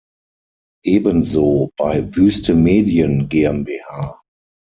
Ebenso bei Wüste Medien GmbH.